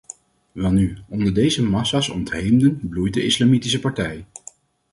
Welnu, onder deze massa's ontheemden bloeit de islamitische partij.